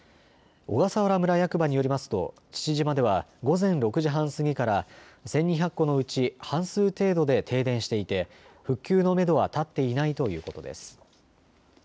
小笠原村役場によりますと父島では午前６時半過ぎから１２００戸のうち半数程度で停電していて復旧のめどは立っていないということです。